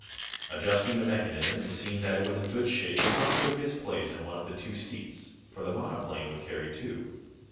Adjusting the mechanism, and seeing that it was in good shape, Tom took his place in one of the two seats, for the monoplane would carry two.